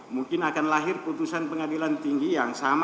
mungkin akan lahir putusan pengadilan tinggi yang sama